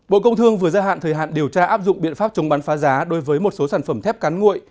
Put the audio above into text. bộ công thương vừa gia hạn thời hạn điều tra áp dụng biện pháp chống bán phá giá đối với một số sản phẩm thép cán nguội